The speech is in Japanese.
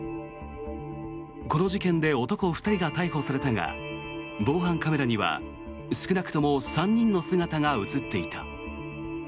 この事件で男２人が逮捕されたが防犯カメラには少なくとも３人の姿が映っていた。